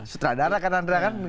setelah ada rakan rakan